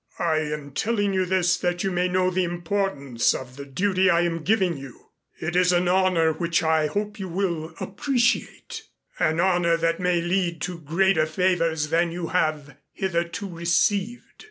"I am telling you this that you may know the importance of the duty I am giving you. It is an honor which I hope you will appreciate, an honor that may lead to greater favors than you have hitherto received."